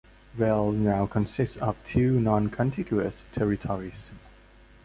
Vale now consists of two non-contiguous territories.